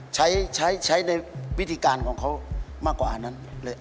ใช้ใช้ในวิธีการของเขามากกว่าอันนั้นเลย